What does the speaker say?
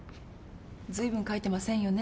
随分書いてませんよね？